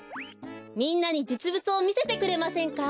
みんなにじつぶつをみせてくれませんか？